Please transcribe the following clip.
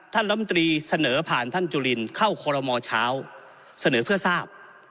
ลำตรีเสนอผ่านท่านจุลินเข้าคอลโมเช้าเสนอเพื่อทราบ